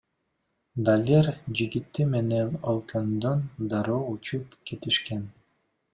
Далер жигити менен өлкөдөн дароо учуп кетишкен.